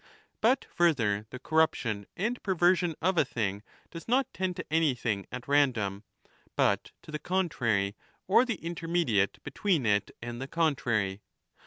But further, the corruption and perversion of a thing does not tend to anything at random but to the contrary or the intermediate between it and the contrary.